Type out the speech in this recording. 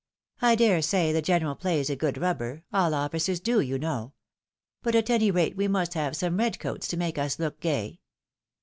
I dare say the general plays a good rubber, — all officers do, you know. But at any rate we must have some red coats to make us look gay."